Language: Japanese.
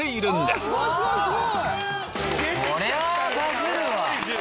すごい！